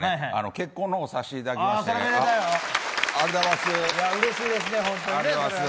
結婚の方さしていただきましてうれしいですね、本当にね。